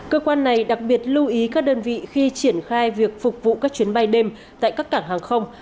cơ quan này đặc biệt lưu ý các đơn vị khi triển khai việc phục vụ các chuyến bay đêm tại các cảng hàng không